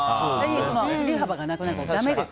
振り幅がなくなっちゃうからだめです。